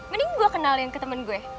mending gue kenalin ke temen gue